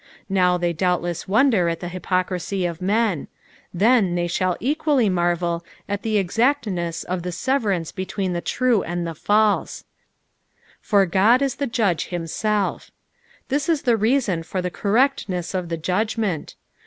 Now the; doubtless wonder at the hjpocrisj of men ; then the; shall equally marvel at the exactness of the severance between the true and the false. "For Qod U judge Kimielf." This is the reason for the correctness of the judgment.